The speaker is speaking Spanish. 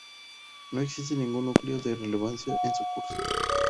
No existe ningún núcleo de relevancia en su curso.